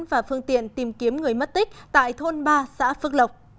và phương tiện tìm kiếm người mất tích tại thôn ba xã phước lộc